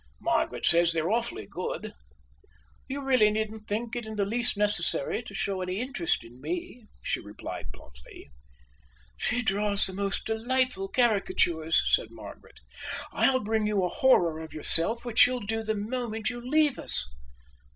Margaret says they're awfully good." "You really needn't think it in the least necessary to show any interest in me," she replied bluntly. "She draws the most delightful caricatures," said Margaret. "I'll bring you a horror of yourself, which she'll do the moment you leave us."